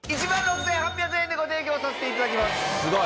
１万６８００円でご提供させて頂きます。